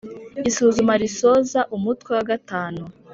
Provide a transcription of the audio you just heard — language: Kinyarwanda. Isuzuma risoza umutwe wa gatanu